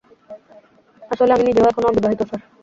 আসলে, আমি নিজেও এখনো অবিবাহিত, স্যার।